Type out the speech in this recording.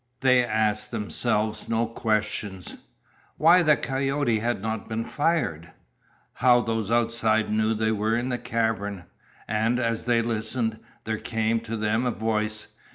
They asked themselves no questions why the "coyote" had not been fired? how those outside knew they were in the cavern. And, as they listened, there came to them a voice.